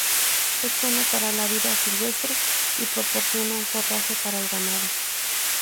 Es bueno para la vida silvestre, y proporciona un forraje para el ganado.